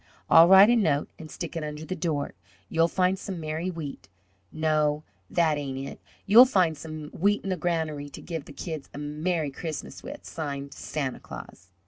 I'll write a note and stick it under the door, 'You'll find some merry wheat 'No, that ain't it. 'You'll find some wheat in the granary to give the kids a merry Christmas with,' signed, 'Santa Claus.'"